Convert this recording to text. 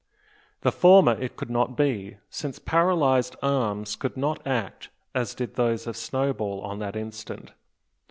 The former it could not be; since paralysed arms could not act, as did those of Snowball on that instant.